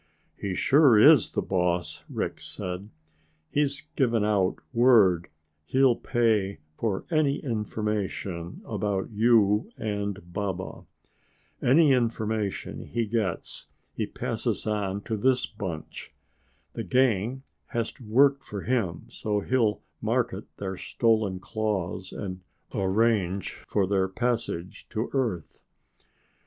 "He sure is the boss," Rick said. "He's given out word he'll pay for any information about you and Baba. Any information he gets he passes on to this bunch. The gang has to work for him so he'll market their stolen claws and arrange their passage to Earth.